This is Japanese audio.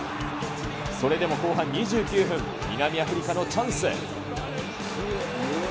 それでも後半２９分、南アフリカのチャンス。